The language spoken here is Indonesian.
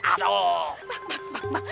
pak pak pak